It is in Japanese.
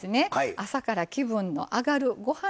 朝から気分の上がるご飯